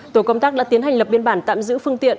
tổ công tác đã tiến hành lập biên bản tạm giữ phương tiện